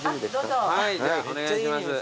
どうぞ。